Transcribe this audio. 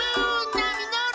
なみのり！